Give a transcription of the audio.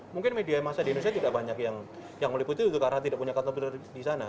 mungkin media masa di indonesia tidak banyak yang meliputi itu karena tidak punya kantong pilar di sana